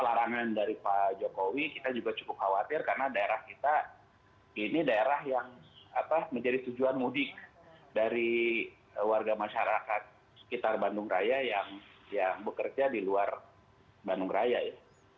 larangan dari pak jokowi kita juga cukup khawatir karena daerah kita ini daerah yang menjadi tujuan mudik dari warga masyarakat sekitar bandung raya yang bekerja di luar bandung raya ya